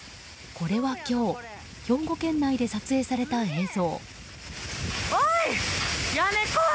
これは今日、兵庫県内で撮影された映像。